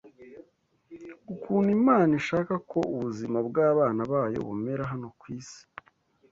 ukuntu Imana ishaka ko ubuzima bw’abana bayo bumera hano ku isi